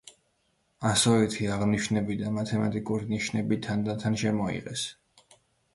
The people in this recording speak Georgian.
ასოითი აღნიშვნები და მათემატიკური ნიშნები თანდათან შემოიღეს.